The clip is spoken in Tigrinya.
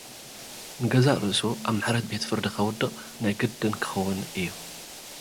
ንገዛእ-ርእሱ ኣብ ምሕረት ቤት ፍርዲ ከውድቕ ናይ ግድን ክኸውን እዩ።